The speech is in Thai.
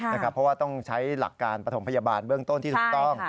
เพราะว่าต้องใช้หลักการปฐมพยาบาลเบื้องต้นที่ถูกต้อง